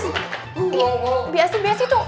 ihhh biasi biasi tuh